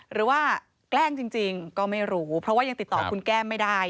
แกล้งจริงก็ไม่รู้เพราะว่ายังติดต่อคุณแก้มไม่ได้